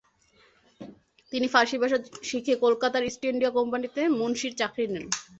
তিনি ফার্সি ভাষা শিখে কলকাতায় ইস্ট ইন্ডিয়া কোম্পানিতে মুনশির চাকরি নেন।